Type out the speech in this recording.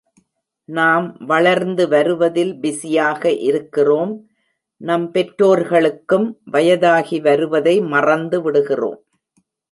நாம் வளர்ந்து வருவதில் பிஸியாக இருக்கிறோம், நம் பெற்றோர்களுக்கும் வயதாகிவருவதை மறந்து விடுகிறோம்.